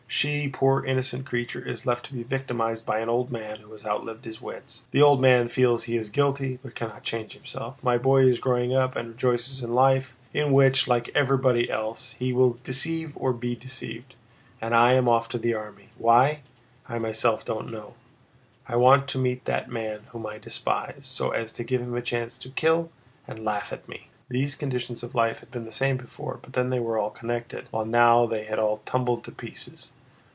"She, poor innocent creature, is left to be victimized by an old man who has outlived his wits. The old man feels he is guilty, but cannot change himself. My boy is growing up and rejoices in life, in which like everybody else he will deceive or be deceived. And I am off to the army. Why? I myself don't know. I want to meet that man whom I despise, so as to give him a chance to kill and laugh at me!" These conditions of life had been the same before, but then they were all connected, while now they had all tumbled to pieces.